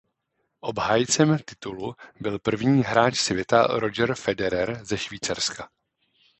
Obhájcem titulu byl první hráč světa Roger Federer ze Švýcarska.